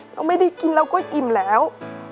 เราไม่ได้กินเราก็อิ่มแล้ว